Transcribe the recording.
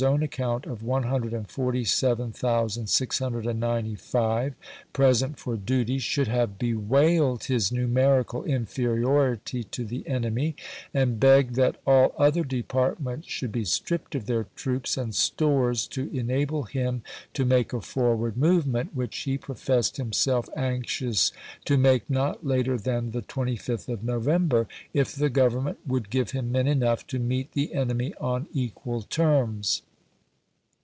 9. to his own account, of " 147,695 present for duty," should have bewailed his numerical inferiority to the enemy, and begged that all other departments should be stripped of their troops and stores to en able him to make a forward movement, which he professed himself anxious to make not later than 1861. the 25th of November, if the Government would give him men enough to meet the enemy on equal terms.